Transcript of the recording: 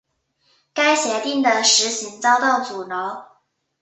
该协定的实行遭到阻挠。